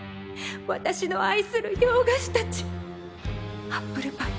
私の愛する洋菓子たちアップルパイ